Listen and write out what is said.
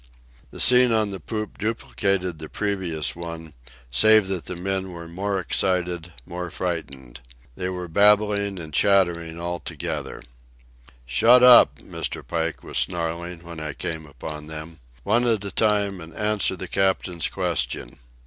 The scene on the poop duplicated the previous one, save that the men were more excited, more frightened. They were babbling and chattering all together. "Shut up!" Mr. Pike was snarling when I came upon them. "One at a time, and answer the captain's question."